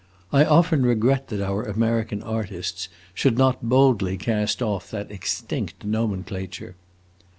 I often regret that our American artists should not boldly cast off that extinct nomenclature."